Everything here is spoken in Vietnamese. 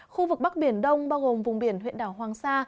khu vực bắc biển đông bao gồm vùng biển huyện đảo hoàng sa